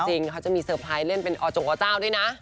จริงเขาจะมีเซอร์ไพรส์เล่นเป็นอจงอเจ้าด้วยนะ